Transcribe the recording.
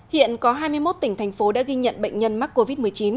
hiện có hai mươi một tỉnh thành phố đã ghi nhận bệnh nhân mắc covid một mươi chín